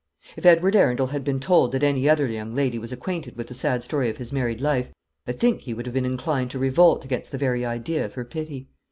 If Edward Arundel had been told that any other young lady was acquainted with the sad story of his married life, I think he would have been inclined to revolt against the very idea of her pity.